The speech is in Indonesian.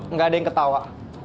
enggak ada yang ketawa